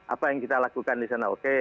apa yang kita lakukan di sana oke